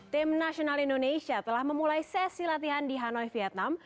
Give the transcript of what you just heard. tim nasional indonesia telah memulai sesi latihan di hanoi vietnam